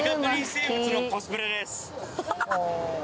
生物のコスプレです